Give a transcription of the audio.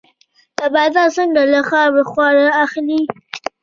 نباتات څنګه له خاورې خواړه اخلي؟